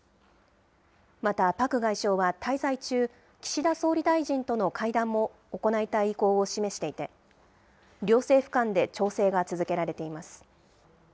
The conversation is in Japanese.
またパク外相は滞在中、岸田総理大臣との会談も行いたい意向を示していて、両政府間で調整が続けられています。